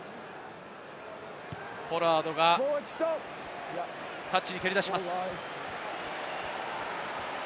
ポラードがタッチに蹴り出します。